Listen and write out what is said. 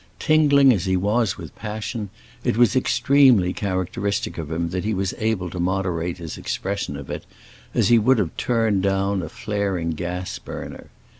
Tingling as he was with passion, it was extremely characteristic of him that he was able to moderate his expression of it, as he would have turned down a flaring gas burner.